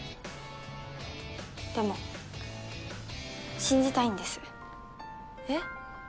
でも信じたいんですえっ？